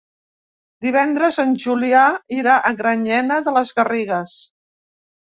Divendres en Julià irà a Granyena de les Garrigues.